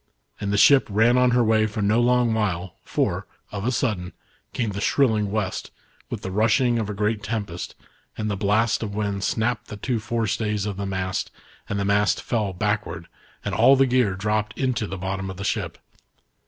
And the ship ran on her way for no long while, for, of a sudden, came the shrilling West, with the rushing of a great tempest, and the blast of wind snapped the two forestays of the mast, and the mast fell back ward, and all the gear dropped into the bottom of the ship.